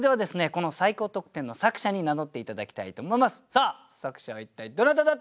この最高得点の作者に名乗って頂きたいと思います。